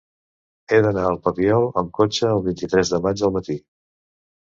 He d'anar al Papiol amb cotxe el vint-i-tres de maig al matí.